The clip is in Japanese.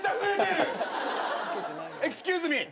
エクスキューズミー？